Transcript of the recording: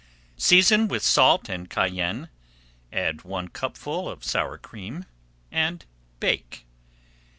Season with salt and cayenne, add one cupful of sour cream and bake.